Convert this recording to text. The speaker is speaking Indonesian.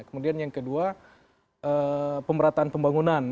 kemudian yang kedua pemerataan pembangunan